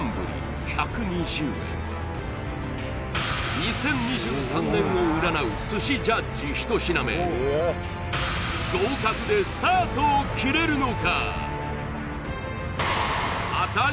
２０２３年を占う寿司ジャッジ１品目合格でスタートを切れるのか？